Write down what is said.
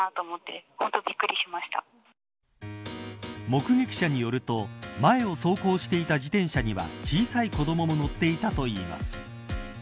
目撃者によると前を走行していた自転車には小さい子どもも乗っていたといいます。